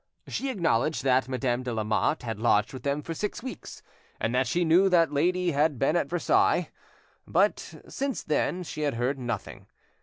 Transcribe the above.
She acknowledged that Madame de Lamotte had lodged with them for six weeks, and that she knew that lady had been at Versailles, but since then she had heard nothing.